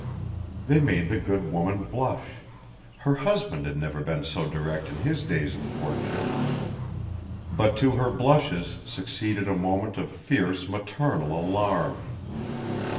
They made the good woman blush her husband had never been so direct in his days of courtship but to her blushes succeeded a moment of fierce maternal alarm.